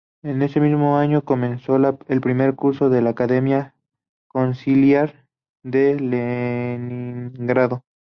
En ese mismo año comenzó el primer curso de la Academia Conciliar de Leningrado.